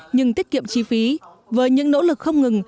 nhưng tiết kiệm chi phí với những nỗ lực không ngừng